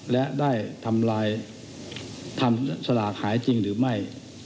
และได้ทำลายทำสลากหายจริงหรือไม่